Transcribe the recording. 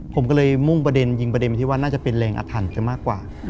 ผมก็เลยมุ่งประเด็นยิงประเด็นที่ว่าน่าจะเป็นแรงอาถรรพ์ซะมากกว่า